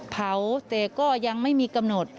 เผาแต่ก็ยังไม่มีกำหนด